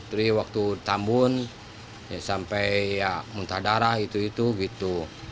terus waktu tambun ya sampai ya muntah darah gitu gitu gitu